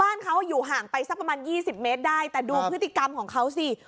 บ้านเขาอยู่ห่างไปสักประมาณยี่สิบเมตรได้แต่ดูพฤติกรรมของเขาสิ